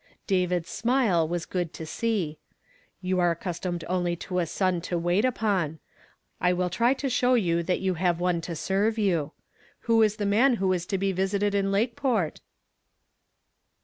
David's smile was good to see. "You are ac customed only to a mn to wait upon ; I will try to show you that you have one to serve you. Who is the man that is to be visited in Lakeport